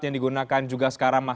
yang digunakan juga sekarang